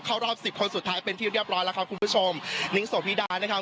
ประเทศไทยของเราเข้ารอบสิบคนสุดท้ายเป็นที่เรียบร้อยแล้วครับคุณผู้ชมนิงโสภิดานะครับ